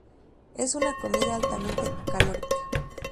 Es una comida altamente calórica.